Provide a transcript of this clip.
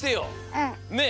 うん。ねえ。